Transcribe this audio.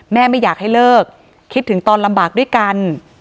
ไม่อยากให้เลิกคิดถึงตอนลำบากด้วยกัน